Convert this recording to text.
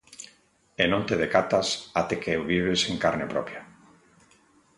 E non te decatas até que o vives en carne propia.